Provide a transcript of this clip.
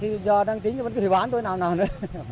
chú nói thì giờ đang tính vẫn có thể bán tôi nào nào nữa